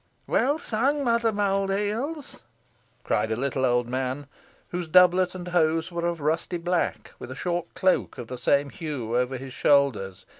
"Well sung, Mother Mould heels," cried a little old man, whose doublet and hose were of rusty black, with a short cloak, of the same hue, over his shoulders.